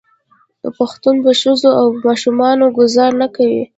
پښتون په ښځو او ماشومانو ګذار نه کوي.